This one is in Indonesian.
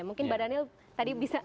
mungkin mbak daniel tadi bisa